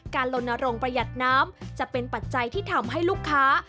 ลนโรงประหยัดน้ำจะเป็นปัจจัยที่ทำให้ลูกค้า